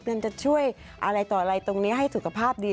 มันจะช่วยอะไรต่ออะไรตรงนี้ให้สุขภาพดี